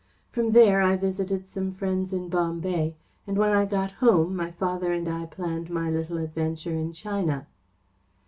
From there I visited some friends in Bombay, and when I got home my father and I planned my little adventure in China."